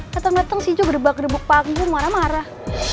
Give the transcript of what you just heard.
dateng dateng si jiho gede gede buk panggung marah marah